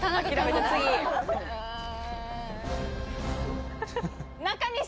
うん。